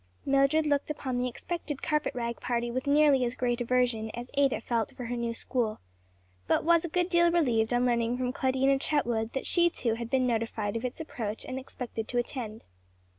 Mildred looked upon the expected carpet rag party with nearly as great aversion as Ada felt for her new school, but was a good deal relieved on learning from Claudina Chetwood that she, too, had been notified of its approach and expected to attend.